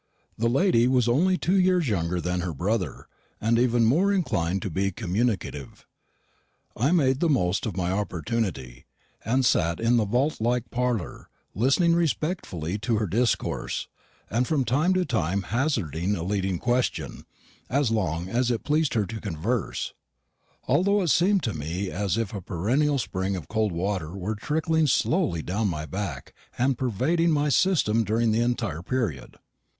The lady was only two years younger than her brother, and even more inclined to be communicative. I made the most of my opportunity, and sat in the vault like parlour listening respectfully to her discourse, and from time to time hazarding a leading question, as long as it pleased her to converse; although it seemed to me as if a perennial spring of cold water were trickling slowly down my back and pervading my system during the entire period.